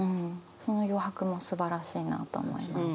その余白もすばらしいなと思います。